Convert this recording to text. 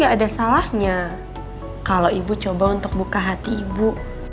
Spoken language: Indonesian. tapi kan gak ada salahnya kalau ibu coba untuk buka hati ibu